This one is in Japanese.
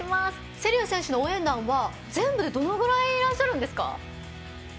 瀬立選手の応援団は全部でどのくらいいらっしゃるんですか？